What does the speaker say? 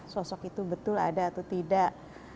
sosok itu betul ada atau tidak